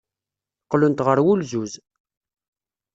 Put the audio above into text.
Qqlent ɣer wulzuz.